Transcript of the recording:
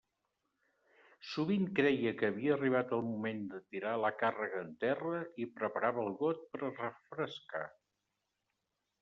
Sovint creia que havia arribat el moment de tirar la càrrega en terra i preparava el got per a «refrescar».